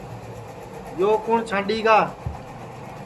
یو کُوٹؔ چھانٚڈؔ گا